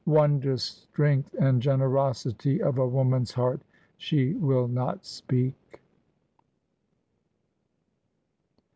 'Wondrous strength and generosity of a woman's heart! She will not speak!'"